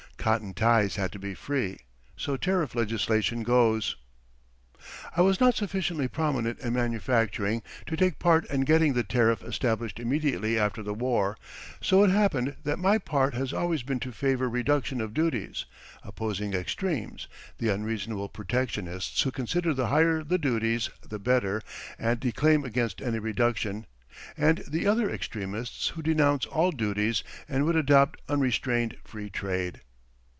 Cotton ties had to be free. So tariff legislation goes. I was not sufficiently prominent in manufacturing to take part in getting the tariff established immediately after the war, so it happened that my part has always been to favor reduction of duties, opposing extremes the unreasonable protectionists who consider the higher the duties the better and declaim against any reduction, and the other extremists who denounce all duties and would adopt unrestrained free trade.